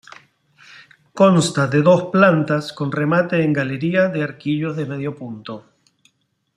Consta de dos plantas con remate en galería de arquillos de medio punto.